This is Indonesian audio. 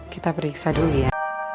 kita periksa dulu ya